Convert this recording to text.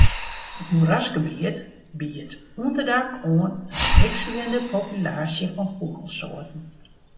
It moerasgebiet biedt ûnderdak oan in wikseljende populaasje fan fûgelsoarten.